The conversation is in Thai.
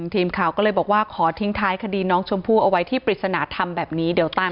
ทีมข่าวก็เลยบอกว่าขอทิ้งท้ายคดีน้องชมพู่เอาไว้ที่ปริศนาธรรมแบบนี้เดี๋ยวตาม